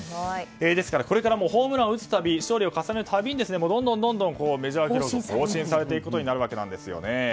ですからこれからホームランを打つたび勝利を重ねる度にどんどんメジャー記録が更新されていくことになるわけなんです。